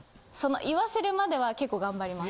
言わせるまでは結構頑張ります。